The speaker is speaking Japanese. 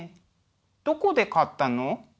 どこで買ったの？